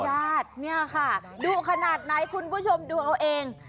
เนี่ยค่ะดูขนาดไหนคุณผู้ชมดูเอาเอง